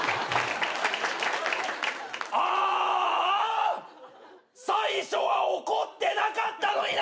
あーあ最初は怒ってなかったのにな！！